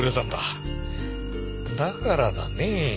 だからだね。